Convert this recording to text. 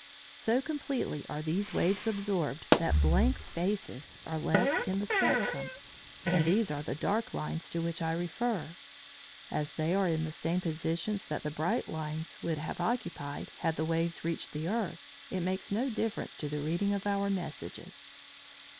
So completely are these waves absorbed that blank spaces are left in the spectrum, and these are the dark lines to which I refer. As they are in the same positions that the bright lines would have occupied had the waves reached the earth, it makes no difference to the reading of our messages.